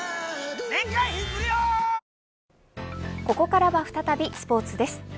ここからは再びスポーツです。